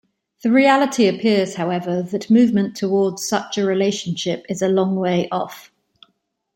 The reality appears however that movement towards such a relationship is a long way-off.